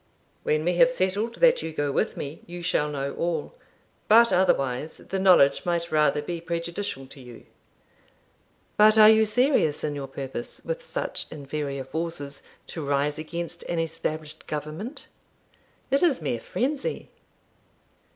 'When we have settled that you go with me, you shall know all; but otherwise, the knowledge might rather be prejudicial to you.' 'But are you serious in your purpose, with such inferior forces, to rise against an established government? It is mere frenzy.'